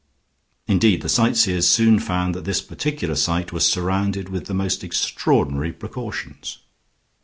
Indeed, the sightseers soon found that this particular sight was surrounded with the most extraordinary precautions.